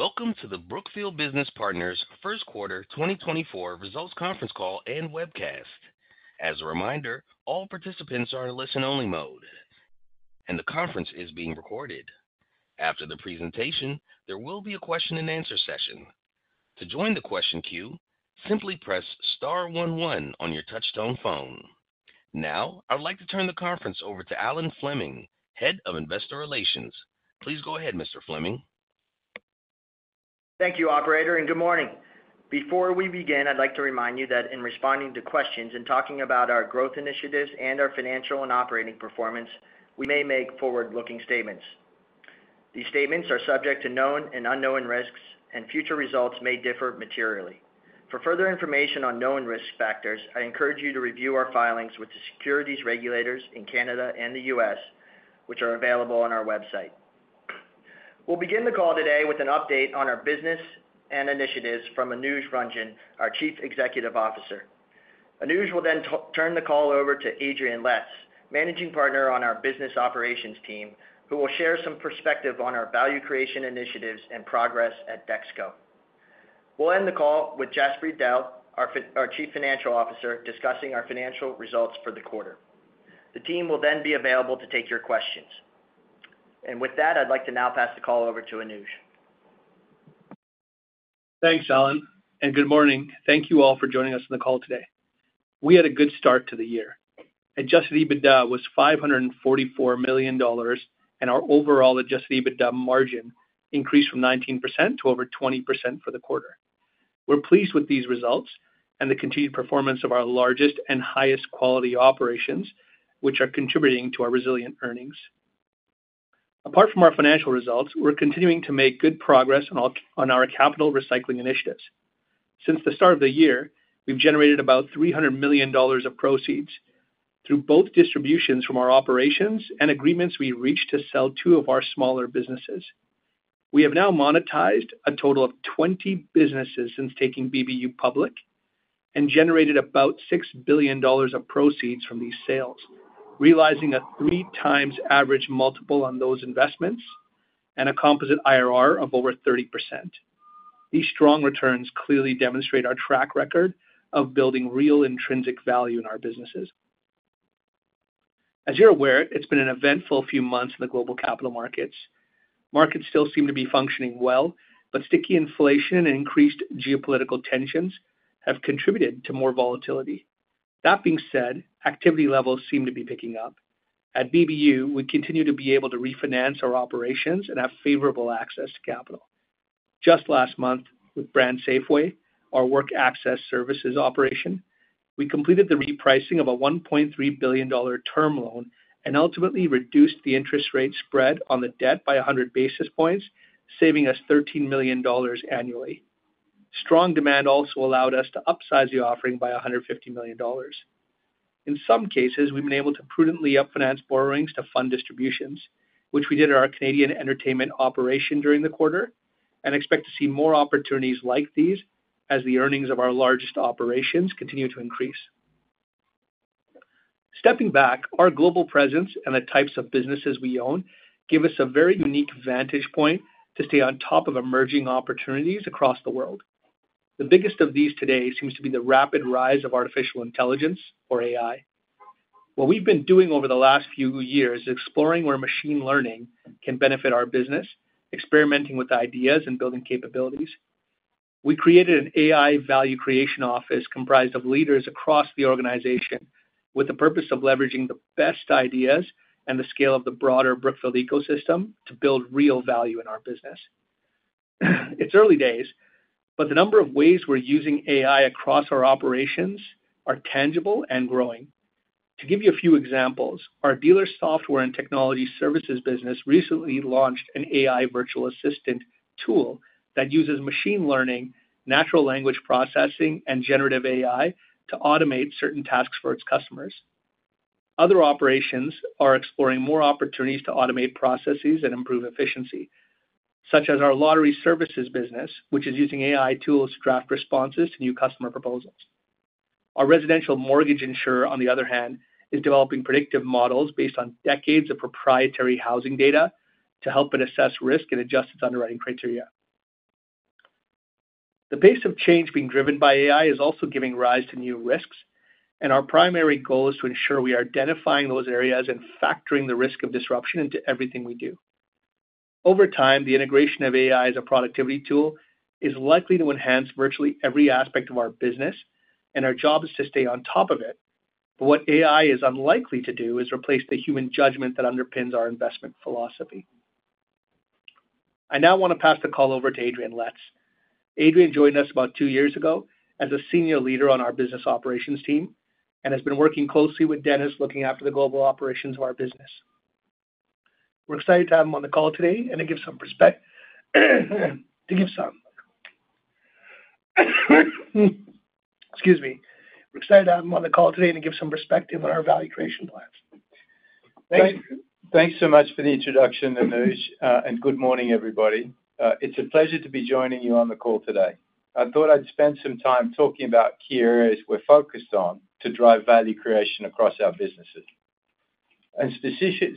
Welcome to the Brookfield Business Partners first quarter 2024 results conference call and webcast. As a reminder, all participants are in listen-only mode, and the conference is being recorded. After the presentation, there will be a question-and-answer session. To join the question queue, simply press star one one on your touchtone phone. Now, I'd like to turn the conference over to Alan Fleming, Head of Investor Relations. Please go ahead, Mr. Fleming. Thank you, operator, and good morning. Before we begin, I'd like to remind you that in responding to questions and talking about our growth initiatives and our financial and operating performance, we may make forward-looking statements. These statements are subject to known and unknown risks, and future results may differ materially. For further information on known risk factors, I encourage you to review our filings with the securities regulators in Canada and the U.S., which are available on our website. We'll begin the call today with an update on our business and initiatives from Anuj Ranjan, our Chief Executive Officer. Anuj will then turn the call over to Adrian Letts, Managing Partner on our business operations team, who will share some perspective on our value creation initiatives and progress at DexKo. We'll end the call with Jaspreet Dehl, our Chief Financial Officer, discussing our financial results for the quarter. The team will then be available to take your questions. With that, I'd like to now pass the call over to Anuj. Thanks, Alan, and good morning. Thank you all for joining us on the call today. We had a good start to the year. Adjusted EBITDA was $544 million, and our overall adjusted EBITDA margin increased from 19% to over 20% for the quarter. We're pleased with these results and the continued performance of our largest and highest quality operations, which are contributing to our resilient earnings. Apart from our financial results, we're continuing to make good progress on our capital recycling initiatives. Since the start of the year, we've generated about $300 million of proceeds through both distributions from our operations and agreements we reached to sell two of our smaller businesses. We have now monetized a total of 20 businesses since taking BBU public and generated about $6 billion of proceeds from these sales, realizing a 3x average multiple on those investments and a composite IRR of over 30%. These strong returns clearly demonstrate our track record of building real intrinsic value in our businesses. As you're aware, it's been an eventful few months in the global capital markets. Markets still seem to be functioning well, but sticky inflation and increased geopolitical tensions have contributed to more volatility. That being said, activity levels seem to be picking up. At BBU, we continue to be able to refinance our operations and have favorable access to capital. Just last month, with BrandSafway, our work access services operation, we completed the repricing of a $1.3 billion term loan and ultimately reduced the interest rate spread on the debt by 100 basis points, saving us $13 million annually. Strong demand also allowed us to upsize the offering by $150 million. In some cases, we've been able to prudently refinance borrowings to fund distributions, which we did at our Canadian entertainment operation during the quarter, and expect to see more opportunities like these as the earnings of our largest operations continue to increase. Stepping back, our global presence and the types of businesses we own give us a very unique vantage point to stay on top of emerging opportunities across the world. The biggest of these today seems to be the rapid rise of artificial intelligence or AI. What we've been doing over the last few years is exploring where machine learning can benefit our business, experimenting with ideas and building capabilities. We created an AI value creation office comprised of leaders across the organization, with the purpose of leveraging the best ideas and the scale of the broader Brookfield ecosystem to build real value in our business. It's early days, but the number of ways we're using AI across our operations are tangible and growing. To give you a few examples, our dealer software and technology services business recently launched an AI virtual assistant tool that uses machine learning, natural language processing, and generative AI to automate certain tasks for its customers. Other operations are exploring more opportunities to automate processes and improve efficiency, such as our lottery services business, which is using AI tools to draft responses to new customer proposals. Our residential mortgage insurer, on the other hand, is developing predictive models based on decades of proprietary housing data to help it assess risk and adjust its underwriting criteria. The pace of change being driven by AI is also giving rise to new risks, and our primary goal is to ensure we are identifying those areas and factoring the risk of disruption into everything we do. Over time, the integration of AI as a productivity tool is likely to enhance virtually every aspect of our business, and our job is to stay on top of it. But what AI is unlikely to do is replace the human judgment that underpins our investment philosophy. I now want to pass the call over to Adrian Letts. Adrian joined us about two years ago as a senior leader on our business operations team and has been working closely with Denis, looking after the global operations of our business. We're excited to have him on the call today and to give some perspective on our value creation plans. Thanks so much for the introduction, Anuj, and good morning, everybody. It's a pleasure to be joining you on the call today. I thought I'd spend some time talking about key areas we're focused on to drive value creation across our businesses... and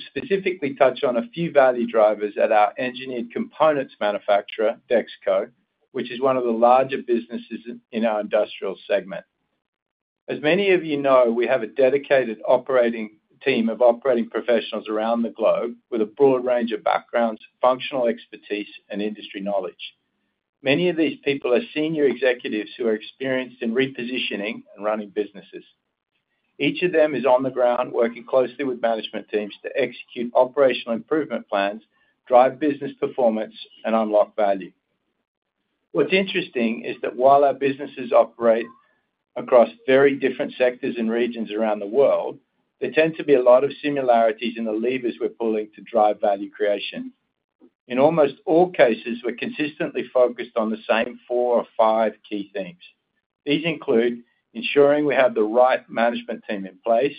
specifically touch on a few value drivers at our engineered components manufacturer, DexKo, which is one of the larger businesses in our industrial segment. As many of you know, we have a dedicated operating team of operating professionals around the globe with a broad range of backgrounds, functional expertise, and industry knowledge. Many of these people are senior executives who are experienced in repositioning and running businesses. Each of them is on the ground, working closely with management teams to execute operational improvement plans, drive business performance, and unlock value. What's interesting is that while our businesses operate across very different sectors and regions around the world, there tend to be a lot of similarities in the levers we're pulling to drive value creation. In almost all cases, we're consistently focused on the same four or five key things. These include ensuring we have the right management team in place,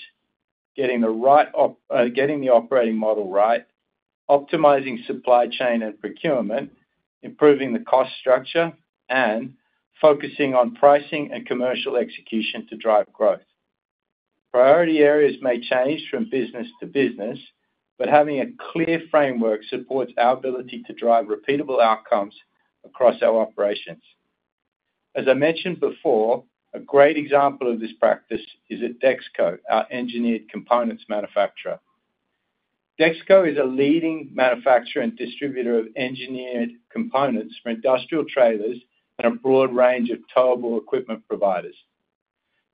getting the operating model right, optimizing supply chain and procurement, improving the cost structure, and focusing on pricing and commercial execution to drive growth. Priority areas may change from business to business, but having a clear framework supports our ability to drive repeatable outcomes across our operations. As I mentioned before, a great example of this practice is at DexKo, our engineered components manufacturer. DexKo is a leading manufacturer and distributor of engineered components for industrial trailers and a broad range of towable equipment providers.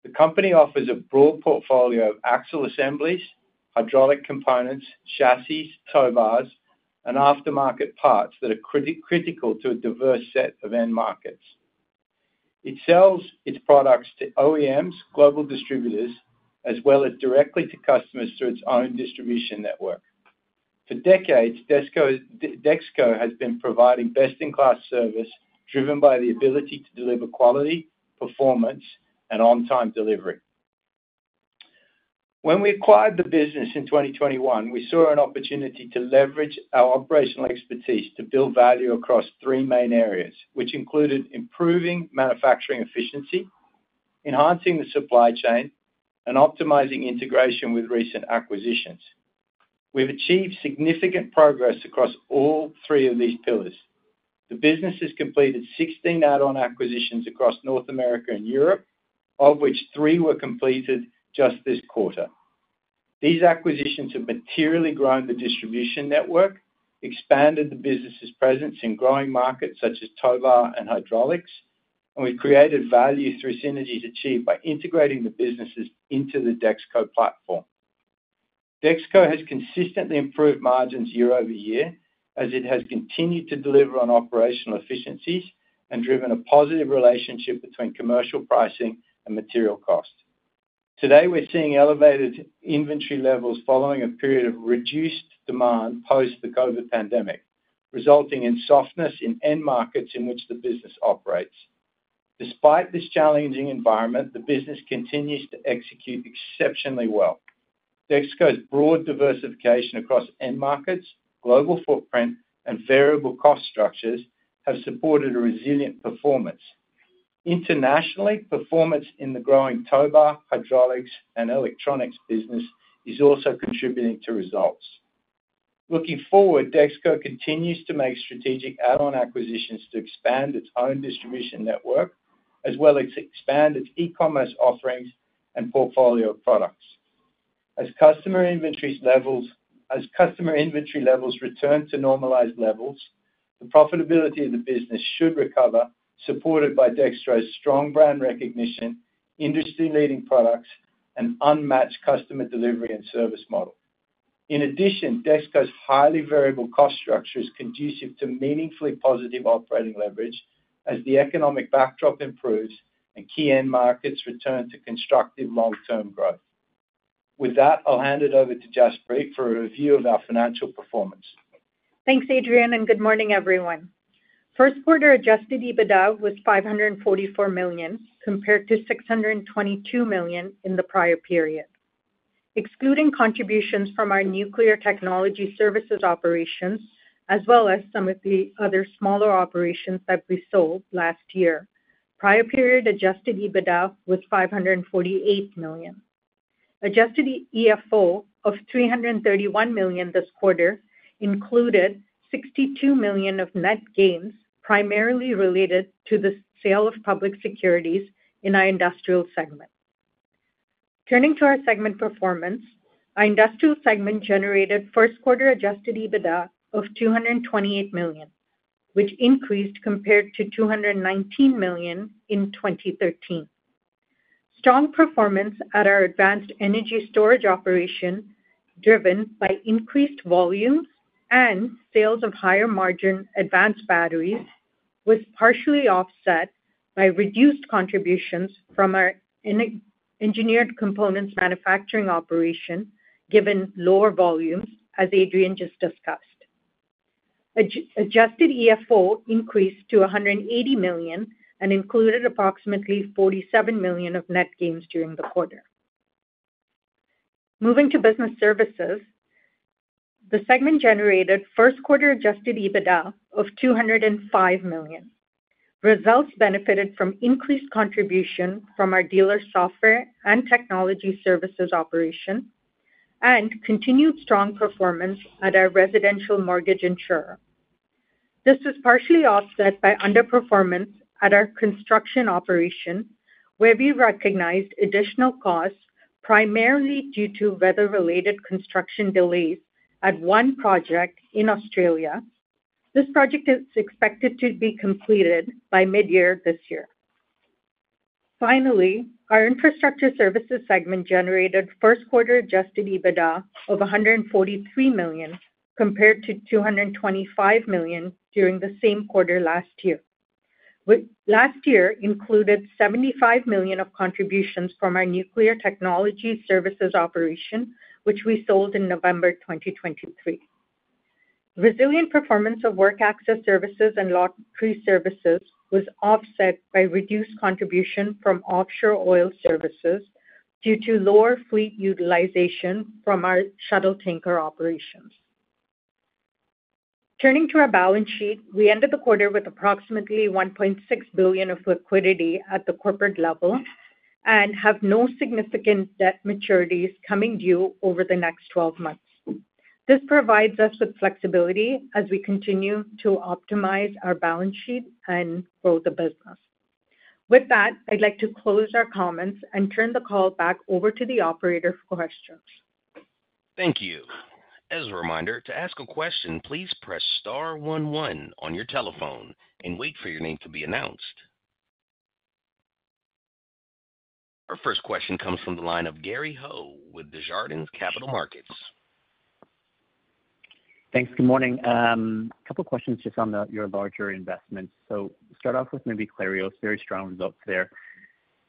The company offers a broad portfolio of axle assemblies, hydraulic components, chassis, tow bars, and aftermarket parts that are critical to a diverse set of end markets. It sells its products to OEMs, global distributors, as well as directly to customers through its own distribution network. For decades, DexKo has been providing best-in-class service, driven by the ability to deliver quality, performance, and on-time delivery. When we acquired the business in 2021, we saw an opportunity to leverage our operational expertise to build value across three main areas, which included: improving manufacturing efficiency, enhancing the supply chain, and optimizing integration with recent acquisitions. We've achieved significant progress across all three of these pillars. The business has completed 16 add-on acquisitions across North America and Europe, of which three were completed just this quarter. These acquisitions have materially grown the distribution network, expanded the business's presence in growing markets such as tow bar and hydraulics, and we've created value through synergies achieved by integrating the businesses into the DexKo platform. DexKo has consistently improved margins year-over-year, as it has continued to deliver on operational efficiencies and driven a positive relationship between commercial pricing and material costs. Today, we're seeing elevated inventory levels following a period of reduced demand post the COVID pandemic, resulting in softness in end markets in which the business operates. Despite this challenging environment, the business continues to execute exceptionally well. DexKo's broad diversification across end markets, global footprint, and variable cost structures have supported a resilient performance. Internationally, performance in the growing tow bar, hydraulics, and electronics business is also contributing to results. Looking forward, DexKo continues to make strategic add-on acquisitions to expand its own distribution network, as well as expand its e-commerce offerings and portfolio of products. As customer inventory levels return to normalized levels, the profitability of the business should recover, supported by DexKo's strong brand recognition, industry-leading products, and unmatched customer delivery and service model. In addition, DexKo's highly variable cost structure is conducive to meaningfully positive operating leverage as the economic backdrop improves and key end markets return to constructive long-term growth. With that, I'll hand it over to Jaspreet for a review of our financial performance. Thanks, Adrian, and good morning, everyone. First quarter adjusted EBITDA was $544 million, compared to $622 million in the prior period. Excluding contributions from our nuclear technology services operations, as well as some of the other smaller operations that we sold last year, prior period adjusted EBITDA was $548 million. Adjusted EFO of $331 million this quarter included $62 million of net gains, primarily related to the sale of public securities in our industrial segment. Turning to our segment performance, our industrial segment generated first quarter adjusted EBITDA of $228 million, which increased compared to $219 million in 2013. Strong performance at our advanced energy storage operation, driven by increased volumes and sales of higher margin advanced batteries, was partially offset by reduced contributions from our engineered components manufacturing operation, given lower volumes, as Adrian just discussed. Adjusted EFO increased to $180 million and included approximately $47 million of net gains during the quarter. Moving to business services. The segment generated first quarter adjusted EBITDA of $205 million. Results benefited from increased contribution from our dealer software and technology services operation, and continued strong performance at our residential mortgage insurer. This was partially offset by underperformance at our construction operation, where we recognized additional costs, primarily due to weather-related construction delays at one project in Australia. This project is expected to be completed by midyear this year. Finally, our infrastructure services segment generated first quarter Adjusted EBITDA of $143 million, compared to $225 million during the same quarter last year. Last year included $75 million of contributions from our nuclear technology services operation, which we sold in November 2023. Resilient performance of work access services and lottery services was offset by reduced contribution from offshore oil services due to lower fleet utilization from our shuttle tanker operations. Turning to our balance sheet, we ended the quarter with approximately $1.6 billion of liquidity at the corporate level and have no significant debt maturities coming due over the next 12 months. This provides us with flexibility as we continue to optimize our balance sheet and grow the business. With that, I'd like to close our comments and turn the call back over to the operator for questions. Thank you. As a reminder, to ask a question, please press star one one on your telephone and wait for your name to be announced. Our first question comes from the line of Gary Ho with Desjardins Capital Markets. Thanks. Good morning. A couple questions just on the, your larger investments. So start off with maybe Clarios, very strong results there.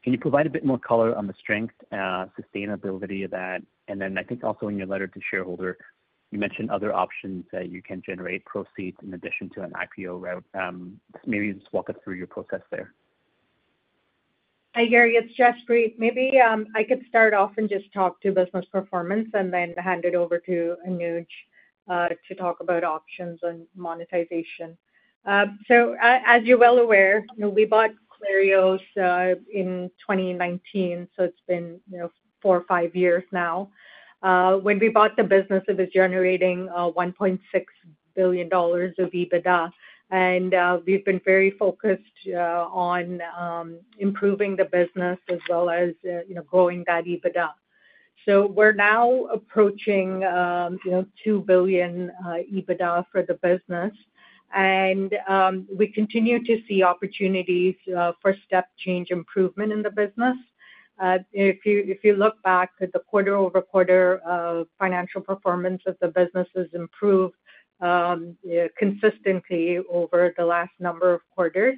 Can you provide a bit more color on the strength, sustainability of that? And then I think also in your letter to shareholder, you mentioned other options that you can generate proceeds in addition to an IPO route. Maybe just walk us through your process there. Hi, Gary, it's Jaspreet. Maybe I could start off and just talk to business performance and then hand it over to Anuj to talk about options and monetization. So as you're well aware, you know, we bought Clarios in 2019, so it's been, you know, four or five years now. When we bought the business, it was generating $1.6 billion of EBITDA, and we've been very focused on improving the business as well as, you know, growing that EBITDA. So we're now approaching, you know, $2 billion EBITDA for the business, and we continue to see opportunities for step change improvement in the business. If you look back at the quarter-over-quarter financial performance of the business has improved, yeah, consistently over the last number of quarters.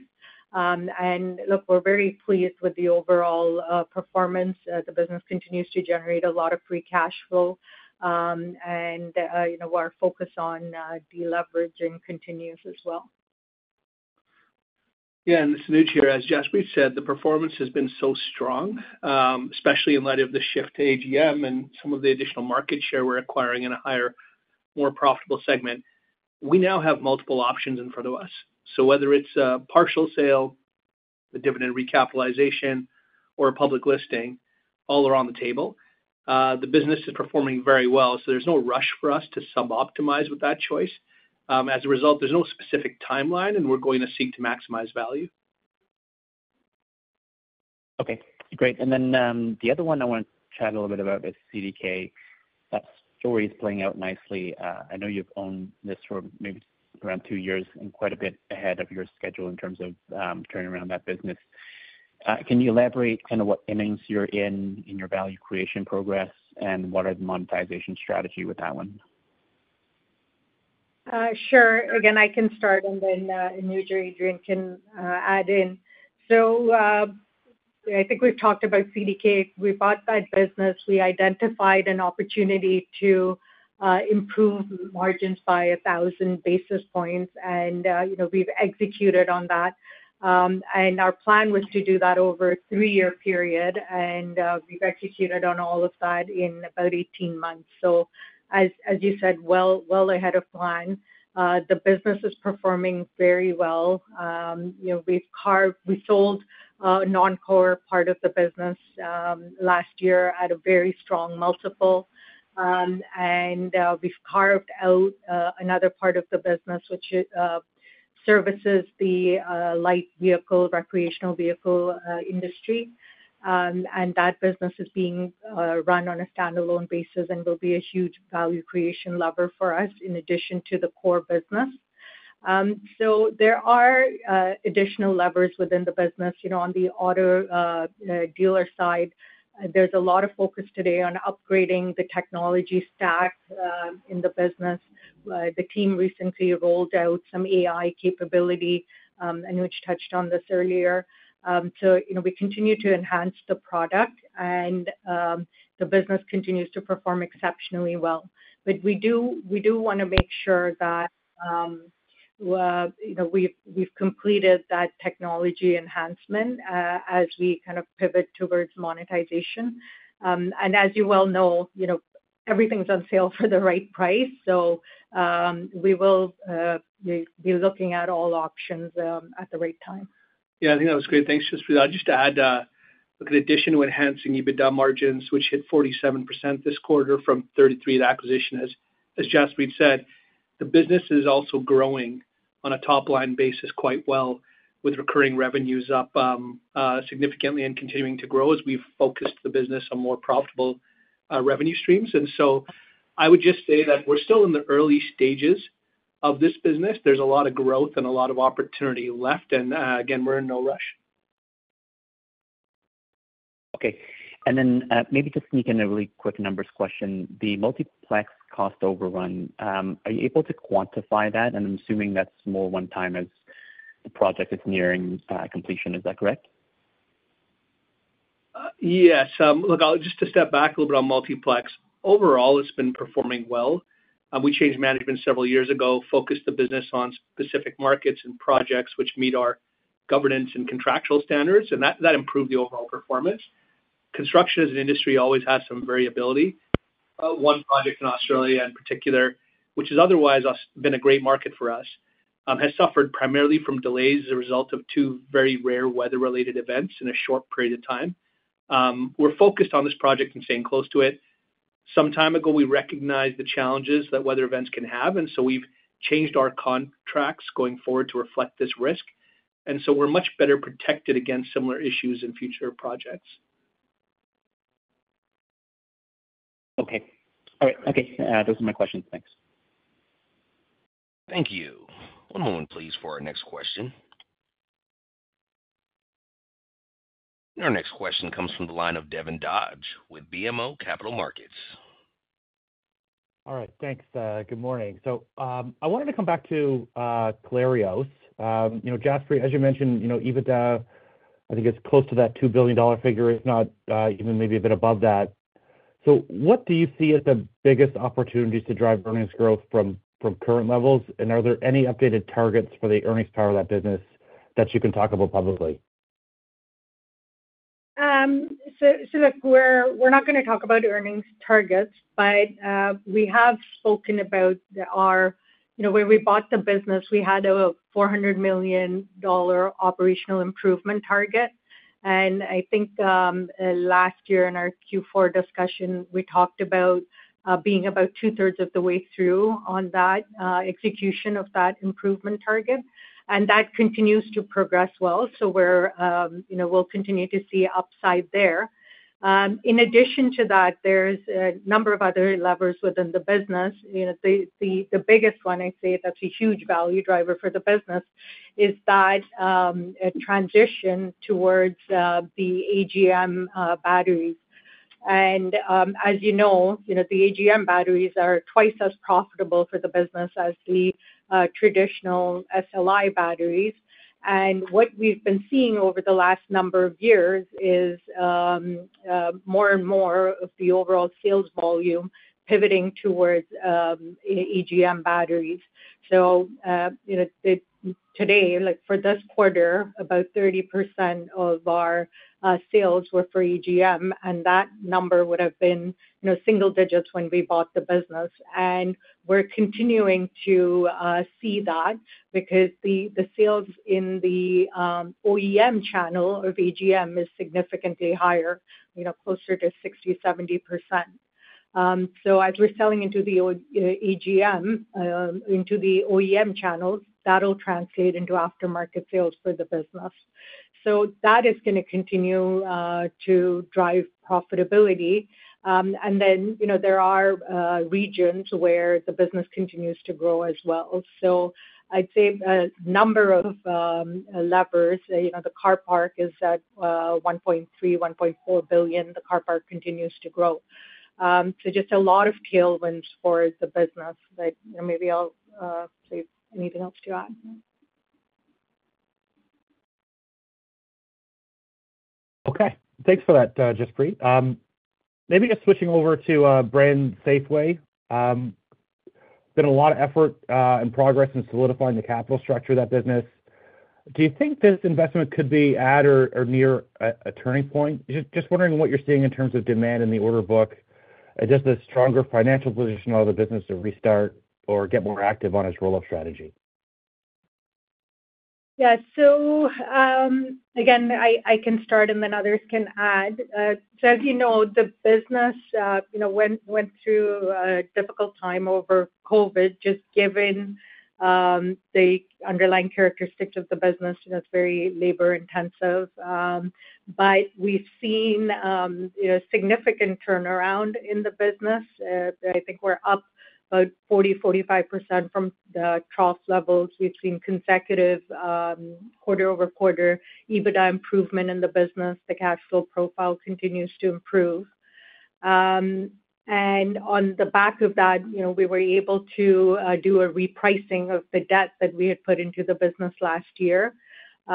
And look, we're very pleased with the overall performance. The business continues to generate a lot of free cash flow, and, you know, our focus on deleveraging continues as well. Yeah, and this is Anuj here. As Jaspreet said, the performance has been so strong, especially in light of the shift to AGM and some of the additional market share we're acquiring in a higher, more profitable segment. We now have multiple options in front of us. So whether it's a partial sale, a dividend recapitalization, or a public listing, all are on the table. The business is performing very well, so there's no rush for us to suboptimize with that choice. As a result, there's no specific timeline, and we're going to seek to maximize value. Okay, great. And then, the other one I wanted to chat a little bit about is CDK. That story is playing out nicely. I know you've owned this for maybe around two years and quite a bit ahead of your schedule in terms of, turning around that business. Can you elaborate kind of what innings you're in, in your value creation progress, and what are the monetization strategy with that one? Sure. Again, I can start, and then Anuj or Adrian can add in. So, I think we've talked about CDK. We bought that business. We identified an opportunity to improve margins by 1,000 basis points, and you know, we've executed on that. And our plan was to do that over a 3-year period, and we've executed on all of that in about 18 months. So as you said, well ahead of plan. The business is performing very well. You know, we sold a non-core part of the business last year at a very strong multiple. And we've carved out another part of the business which services the light vehicle, recreational vehicle industry. And that business is being run on a standalone basis and will be a huge value creation lever for us in addition to the core business. So there are additional levers within the business. You know, on the auto dealer side, there's a lot of focus today on upgrading the technology stack in the business. The team recently rolled out some AI capability, Anuj touched on this earlier. So you know, we continue to enhance the product, and the business continues to perform exceptionally well. But we do, we do wanna make sure that you know, we've, we've completed that technology enhancement as we kind of pivot towards monetization. As you well know, you know, everything's on sale for the right price, so we will be looking at all options at the right time. Yeah, I think that was great. Thanks, Jaspreet. I'd just add, look, in addition to enhancing EBITDA margins, which hit 47% this quarter from 33%, the acquisition, as Jaspreet said, the business is also growing on a top line basis quite well, with recurring revenues up significantly and continuing to grow as we've focused the business on more profitable revenue streams. And so I would just say that we're still in the early stages of this business. There's a lot of growth and a lot of opportunity left, and again, we're in no rush. Okay. And then, maybe just sneak in a really quick numbers question. The Multiplex cost overrun, are you able to quantify that? And I'm assuming that's more one-time as the project is nearing completion. Is that correct? Yes. Look, I'll just to step back a little bit on Multiplex. Overall, it's been performing well. We changed management several years ago, focused the business on specific markets and projects which meet our governance and contractual standards, and that improved the overall performance. Construction as an industry always has some variability. One project in Australia in particular, which has otherwise been a great market for us, has suffered primarily from delays as a result of two very rare weather-related events in a short period of time. We're focused on this project and staying close to it. Some time ago, we recognized the challenges that weather events can have, and so we've changed our contracts going forward to reflect this risk. And so we're much better protected against similar issues in future projects. Okay. All right. Okay, those are my questions. Thanks. Thank you. One moment, please, for our next question. Our next question comes from the line of Devin Dodge with BMO Capital Markets. All right. Thanks. Good morning. So, I wanted to come back to Clarios. You know, Jaspreet, as you mentioned, you know, EBITDA, I think it's close to that $2 billion figure, if not, even maybe a bit above that. So what do you see as the biggest opportunities to drive earnings growth from, from current levels? And are there any updated targets for the earnings power of that business that you can talk about publicly? So, look, we're not gonna talk about earnings targets, but we have spoken about our... You know, when we bought the business, we had a $400 million operational improvement target. And I think, last year in our Q4 discussion, we talked about being about two thirds of the way through on that execution of that improvement target, and that continues to progress well. So we're, you know, we'll continue to see upside there. In addition to that, there's a number of other levers within the business. You know, the biggest one, I'd say, that's a huge value driver for the business, is that a transition towards the AGM batteries. And, as you know, you know, the AGM batteries are twice as profitable for the business as the traditional SLI batteries. What we've been seeing over the last number of years is more and more of the overall sales volume pivoting towards AGM batteries. So, you know, today, like for this quarter, about 30% of our sales were for AGM, and that number would have been, you know, single digits when we bought the business. And we're continuing to see that because the sales in the OEM channel of AGM is significantly higher, you know, closer to 60-70%. So as we're selling into the AGM into the OEM channels, that'll translate into aftermarket sales for the business. So that is gonna continue to drive profitability. And then, you know, there are regions where the business continues to grow as well. So I'd say a number of levers, you know, the car park is at $1.3-$1.4 billion. The car park continues to grow. So just a lot of tailwinds for the business. But maybe I'll see if anything else to add. Okay, thanks for that, Jaspreet. Maybe just switching over to BrandSafway, been a lot of effort and progress in solidifying the capital structure of that business. Do you think this investment could be at or, or near a, a turning point? Just wondering what you're seeing in terms of demand in the order book. Just a stronger financial position of the business to restart or get more active on its roll-up strategy. Yeah. So, again, I can start and then others can add. So as you know, the business, you know, went through a difficult time over COVID, just given the underlying characteristics of the business, and it's very labor intensive. But we've seen, you know, significant turnaround in the business. I think we're up about 40%-45% from the trough levels. We've seen consecutive quarter-over-quarter EBITDA improvement in the business. The cash flow profile continues to improve. And on the back of that, you know, we were able to do a repricing of the debt that we had put into the business last year. We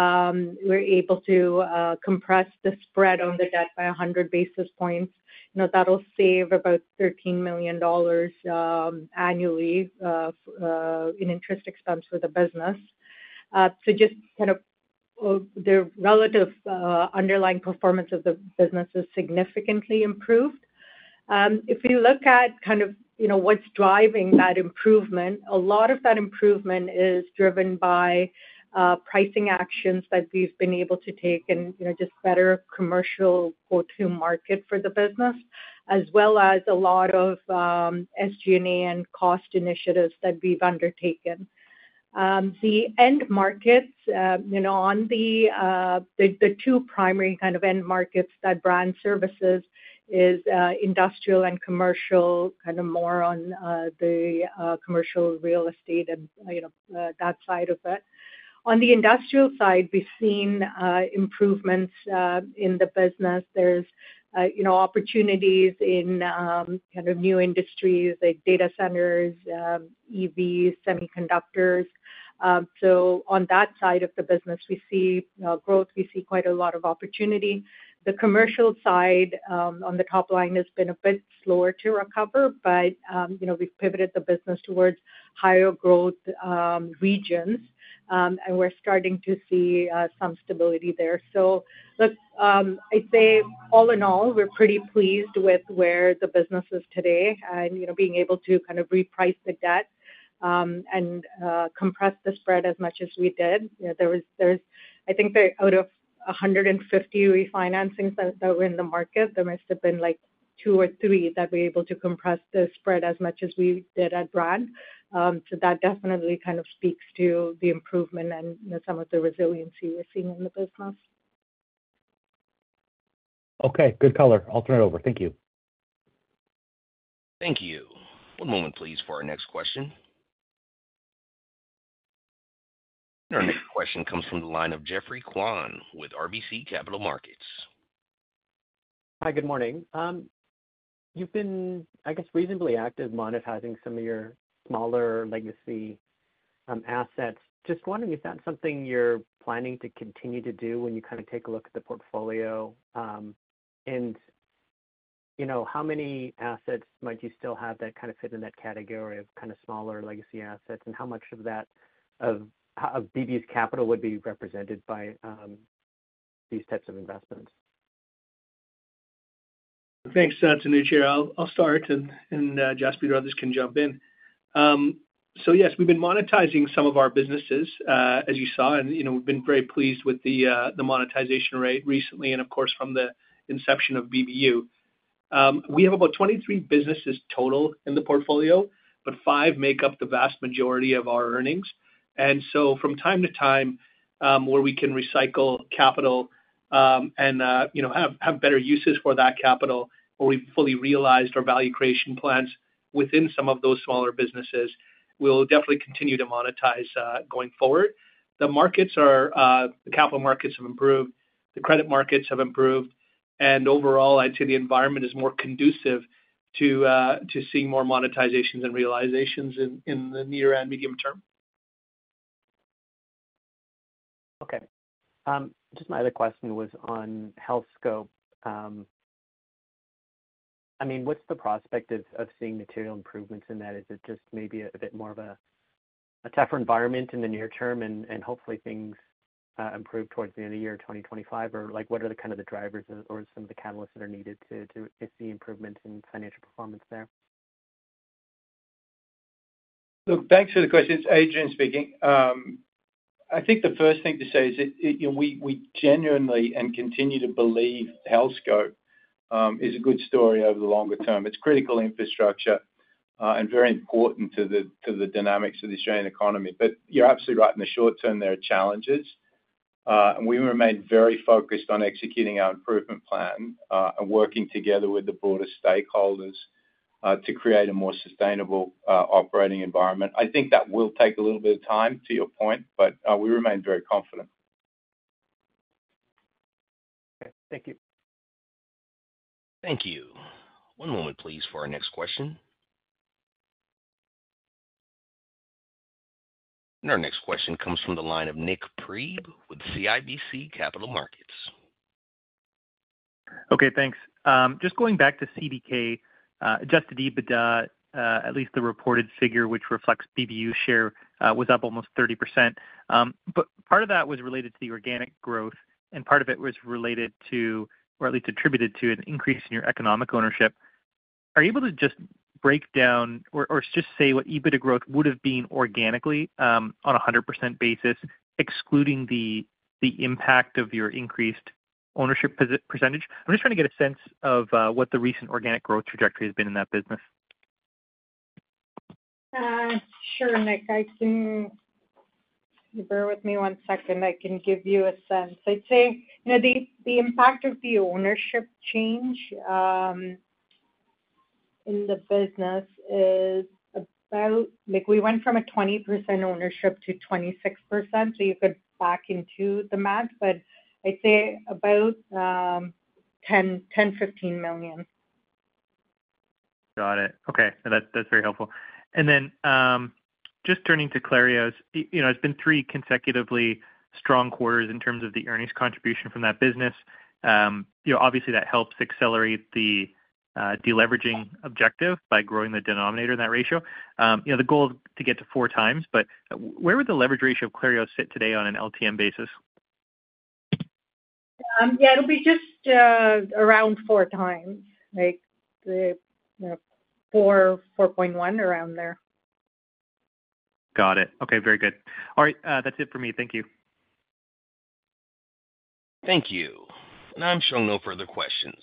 were able to compress the spread on the debt by 100 basis points. You know, that'll save about $13 million annually in interest expense for the business. So just kind of the relative underlying performance of the business is significantly improved. If you look at kind of, you know, what's driving that improvement, a lot of that improvement is driven by pricing actions that we've been able to take and, you know, just better commercial go-to-market for the business, as well as a lot of SG&A and cost initiatives that we've undertaken. The end markets, you know, on the two primary kind of end markets that BrandSafway is, industrial and commercial, kind of more on the commercial real estate and, you know, that side of it. On the industrial side, we've seen improvements in the business. There's, you know, opportunities in, kind of new industries like data centers, EVs, semiconductors. So on that side of the business, we see, growth, we see quite a lot of opportunity. The commercial side, on the top line has been a bit slower to recover, but, you know, we've pivoted the business towards higher growth, regions. And we're starting to see, some stability there. So look, I'd say, all in all, we're pretty pleased with where the business is today and, you know, being able to kind of reprice the debt, and, compress the spread as much as we did. You know, there's, I think there were out of 150 refinancings that were in the market, there must have been, like, two or three that were able to compress the spread as much as we did at Brand. So that definitely kind of speaks to the improvement and, you know, some of the resiliency we're seeing in the business. Okay, good color. I'll turn it over. Thank you. Thank you. One moment, please, for our next question. Our next question comes from the line of Geoffrey Kwan with RBC Capital Markets. Hi, good morning. You've been, I guess, reasonably active monetizing some of your smaller legacy assets. Just wondering if that's something you're planning to continue to do when you kind of take a look at the portfolio, and you know, how many assets might you still have that kind of fit in that category of kind of smaller legacy assets? And how much of that, of BBU's capital would be represented by these types of investments? Thanks, Anuj. Here I'll start and Jaspreet and others can jump in. So yes, we've been monetizing some of our businesses, as you saw, and, you know, we've been very pleased with the monetization rate recently, and of course, from the inception of BBU. We have about 23 businesses total in the portfolio, but five make up the vast majority of our earnings. And so from time to time, where we can recycle capital, and you know, have better uses for that capital, where we've fully realized our value creation plans within some of those smaller businesses, we'll definitely continue to monetize going forward. The markets are, the capital markets have improved, the credit markets have improved, and overall, I'd say the environment is more conducive to seeing more monetizations and realizations in the near and medium term. Okay. Just my other question was on Healthscope. I mean, what's the prospect of seeing material improvements in that? Is it just maybe a bit more of a tougher environment in the near term and hopefully things improve towards the end of the year, 2025? Or like, what are the kind of drivers or some of the catalysts that are needed to see improvements in financial performance there? Look, thanks for the question. It's Adrian speaking. I think the first thing to say is that, you know, we genuinely and continue to believe Healthscope is a good story over the longer term. It's critical infrastructure and very important to the dynamics of the Australian economy. But you're absolutely right, in the short term, there are challenges. And we remain very focused on executing our improvement plan and working together with the broader stakeholders to create a more sustainable operating environment. I think that will take a little bit of time, to your point, but we remain very confident. Okay, thank you. Thank you. One moment, please, for our next question. Our next question comes from the line of Nik Priebe with CIBC Capital Markets. Okay, thanks. Just going back to CDK, adjusted EBITDA, at least the reported figure, which reflects BBU share, was up almost 30%. But part of that was related to the organic growth, and part of it was related to, or at least attributed to, an increase in your economic ownership. Are you able to just break down or, or just say what EBITDA growth would have been organically, on a 100% basis, excluding the, the impact of your increased ownership pos- percentage? I'm just trying to get a sense of, what the recent organic growth trajectory has been in that business. Sure, Nik, I can... Bear with me one second, I can give you a sense. I'd say, you know, the impact of the ownership change in the business is about, like, we went from a 20% ownership to 26%, so you could back into the math, but I'd say about $10-$15 million. Got it. Okay, so that's, that's very helpful. And then, just turning to Clarios, you know, it's been three consecutively strong quarters in terms of the earnings contribution from that business. You know, obviously, that helps accelerate the deleveraging objective by growing the denominator in that ratio. You know, the goal is to get to four times, but where would the leverage ratio of Clarios sit today on an LTM basis? Yeah, it'll be just around 4x, like, you know, 4.1, around there. Got it. Okay, very good. All right, that's it for me. Thank you. Thank you. Now I'm showing no further questions.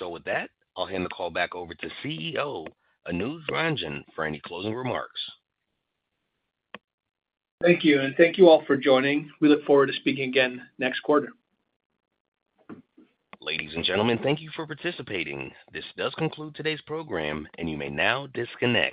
With that, I'll hand the call back over to CEO Anuj Ranjan for any closing remarks. Thank you, and thank you all for joining. We look forward to speaking again next quarter. Ladies and gentlemen, thank you for participating. This does conclude today's program, and you may now disconnect.